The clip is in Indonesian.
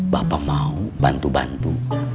bapak mau bantu bantu